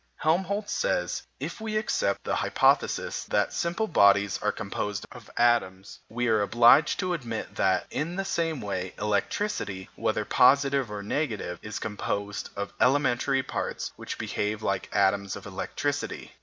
Helmholtz says: "If we accept the hypothesis that simple bodies are composed of atoms, we are obliged to admit that, in the same way, electricity, whether positive or negative, is composed of elementary parts which behave like atoms of electricity."